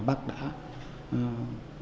bác đã đi long an